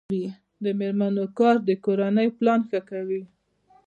د میرمنو کار د کورنۍ پلان ښه کوي.